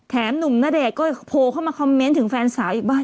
หนุ่มณเดชน์ก็โทรเข้ามาคอมเมนต์ถึงแฟนสาวอีกบ้าง